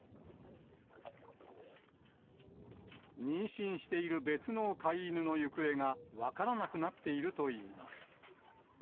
妊娠している別の飼い犬の行方が分からなくなっているといいます。